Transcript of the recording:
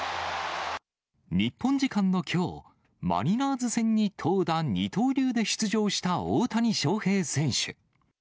日本時間のきょう、マリナーズ戦に投打二刀流で出場した大谷翔平選手。